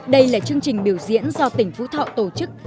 đây là chương trình biểu diễn do tỉnh phú thọ tổ chức